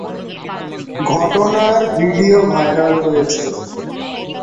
ঘটনার video viral হয়েছে।